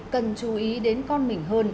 cần chú ý đến con mình hơn